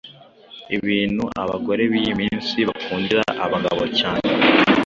Ibintu abagore b’iyi minsi bakundira abagabo cyane